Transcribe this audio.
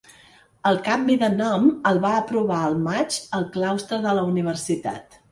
El canvi de nom el va aprovar al maig el claustre de la universitat.